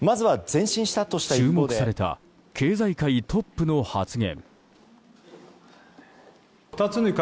注目された経済界トップの発言。